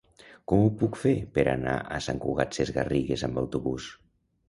Com ho puc fer per anar a Sant Cugat Sesgarrigues amb autobús?